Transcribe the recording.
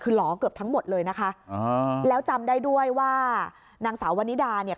คือหลอเกือบทั้งหมดเลยนะคะอ่าแล้วจำได้ด้วยว่านางสาววันนิดาเนี่ย